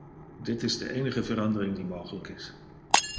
Dit is de enige verandering die mogelijk is.